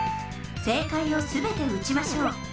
正解をすべて撃ちましょう。